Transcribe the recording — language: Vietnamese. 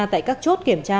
tại các chốt kiểm tra